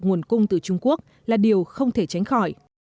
nguồn cung từ trung quốc là điều không thể tránh khỏi